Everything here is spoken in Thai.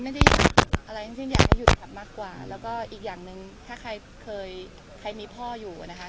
ไม่รู้อยากจะให้ลำเนินคดีให้พ่อขับรถไปกว่า